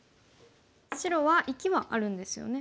白は生きはあるんですよね。